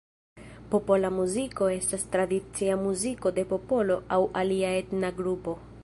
Popola muziko estas tradicia muziko de popolo aŭ alia etna grupo.